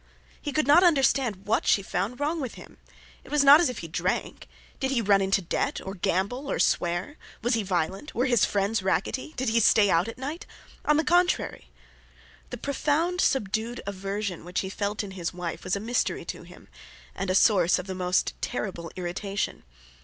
He could not understand what she found wrong with him. It was not as if he drank! Did he run into debt, or gamble, or swear; was he violent; were his friends rackety; did he stay out at night? On the contrary. The profound, subdued aversion which he felt in his wife was a mystery to him, and a source of the most terrible irritation.